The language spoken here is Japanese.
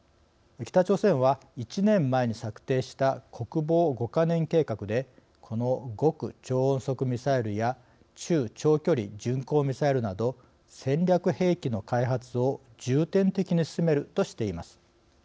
北朝鮮は１年前に策定した国防５か年計画でこの極超音速ミサイルや中長距離巡航ミサイルなど戦略兵器の開発を重点的に進めるとしています。